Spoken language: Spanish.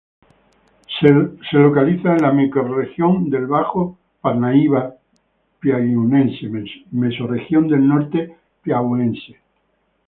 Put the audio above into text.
Se localiza en la microrregión del Bajo Parnaíba Piauiense, mesorregión del Norte Piauiense.